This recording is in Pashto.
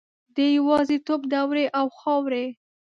د یوازیتوب دوړې او خاورې